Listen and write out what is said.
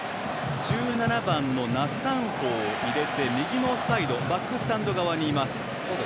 １７番のナ・サンホを入れて右のサイドバックスタンド側にいます。